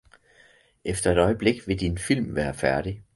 Efter et øjeblik vil din film være færdig.